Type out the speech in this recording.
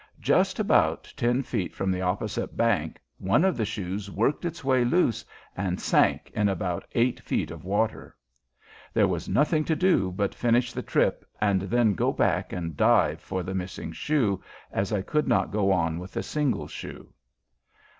Just about ten feet from the opposite bank one of the shoes worked its way loose and sank in about eight feet of water. There was nothing to do but finish the trip and then go back and dive for the missing shoe, as I could not go on with a single shoe.